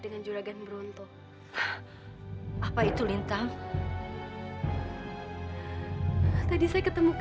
ini semuanya sudah siap